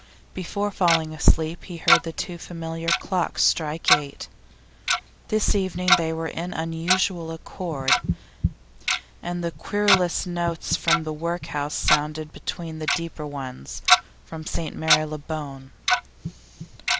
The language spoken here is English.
Before falling asleep he heard the two familiar clocks strike eight; this evening they were in unusual accord, and the querulous notes from the workhouse sounded between the deeper ones from St Marylebone.